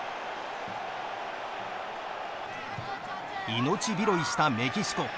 命拾いしたメキシコ。